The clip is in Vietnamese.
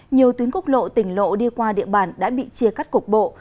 nhiều tuyến quốc lộ tỉnh lộ đi qua địa bàn đã bị chia cắt cục bộ